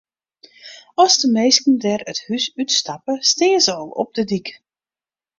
As de minsken dêr it hûs út stappe, stean se al op de dyk.